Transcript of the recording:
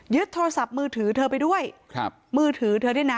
โทรศัพท์มือถือเธอไปด้วยครับมือถือเธอด้วยนะ